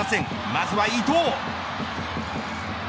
まずは伊東。